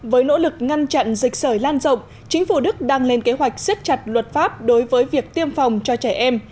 với nỗ lực ngăn chặn dịch sởi lan rộng chính phủ đức đang lên kế hoạch siết chặt luật pháp đối với việc tiêm phòng cho trẻ em